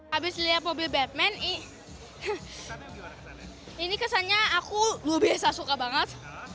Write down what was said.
habis lihat mobil batman ini kesannya aku luar biasa suka banget